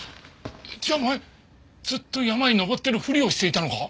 じゃあお前ずっと山に登ってるふりをしていたのか？